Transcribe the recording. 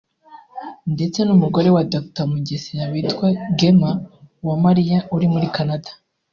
ndetse n’umugore wa Dr Mugesera witwa Gemma Uwamariya uri muri Canada